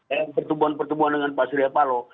ya pertemuan pertemuan dengan pak surya palo